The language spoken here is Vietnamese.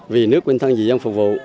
vì nước quân thân dị dân phục vụ